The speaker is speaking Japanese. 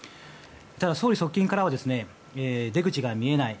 ただ、総理側近からは出口が見えない